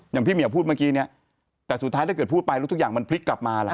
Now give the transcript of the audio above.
อย่างพี่เหมียพูดเมื่อกี้เนี่ยแต่สุดท้ายถ้าเกิดพูดไปแล้วทุกอย่างมันพลิกกลับมาล่ะ